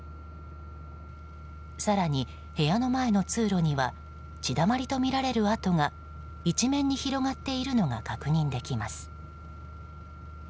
更に、部屋の前の通路には血だまりとみられる跡が一面に広がっているのが確認できます。